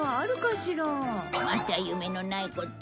また夢のないことを。